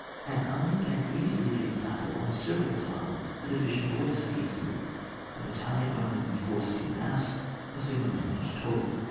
An army can easily give battle on several sides, a division less easily, a battalion only when formed in mass, a single man not at all.